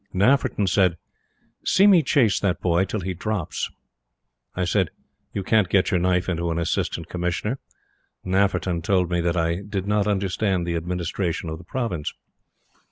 Nafferton said: "See me chase that boy till he drops!" I said: "You can't get your knife into an Assistant Commissioner." Nafferton told me that I did not understand the administration of the Province.